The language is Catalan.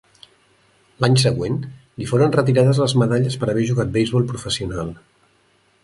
L'any següent, li foren retirades les medalles per haver jugat beisbol professional.